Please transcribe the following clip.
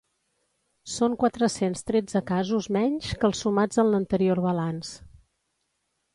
Són quatre-cents tretze casos menys que els sumats en l’anterior balanç.